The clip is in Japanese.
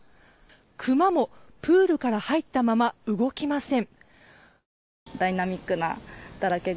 クマもプールから、入ったまま動きません。